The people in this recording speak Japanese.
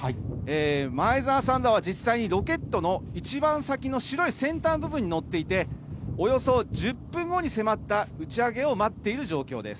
前澤さんらは実際にロケットの一番先の白い先端部分に乗っていて、およそ１０分後に迫った打ち上げを待っている状況です。